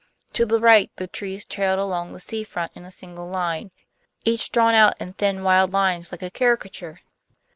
To the right the trees trailed along the sea front in a single line, each drawn out in thin wild lines like a caricature.